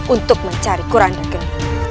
untuk mencari kuranda geni